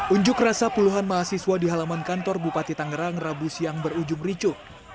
unjuk rasa puluhan mahasiswa di halaman kantor bupati tangerang rabu siang berujung ricu